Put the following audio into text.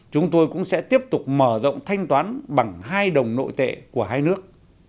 chúng tôi cũng sẽ tiếp tục mở rộng thanh toán bằng hai đồng nội tệ của hai nước